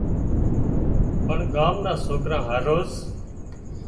پڻ ڳام نان سوڪران هروز